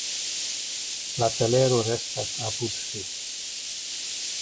La telero restas apud ŝi.